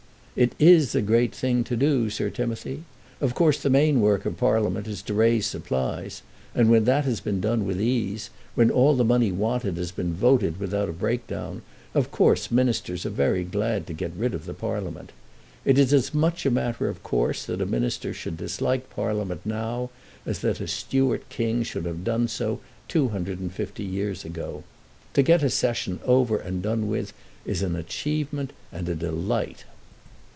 "It is a great thing to do, Sir Timothy. Of course the main work of Parliament is to raise supplies; and, when that has been done with ease, when all the money wanted has been voted without a break down, of course Ministers are very glad to get rid of the Parliament. It is as much a matter of course that a Minister should dislike Parliament now as that a Stuart King should have done so two hundred and fifty years ago. To get a Session over and done with is an achievement and a delight."